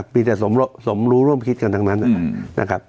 มีแต่สมรู้ร่วมคิดกันทั้งนั้น